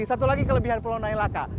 satu lagi kelebihan pulau nailaka